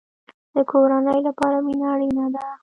د کورنۍ لپاره مینه اړین ده